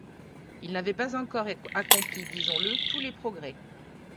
Il n’avait pas encore accompli, disons-le, tous les progrès.